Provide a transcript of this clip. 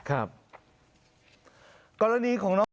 ครับกรณีของน้อง